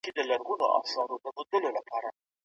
د پانګي چټک دوران تل ستایل کیږي.